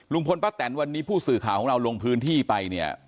ป้าแตนวันนี้ผู้สื่อข่าวของเราลงพื้นที่ไปเนี่ย